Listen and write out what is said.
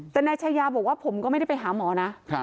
แต่นายชายาบอกว่าผมก็ไม่ได้ไปหาหมอนะ